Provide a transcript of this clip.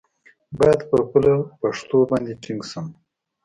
باید پر خپله پښتو باندې ټینګ شم.